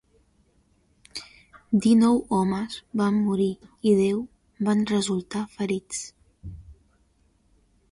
Dinou homes van morir i deu van resultar ferits.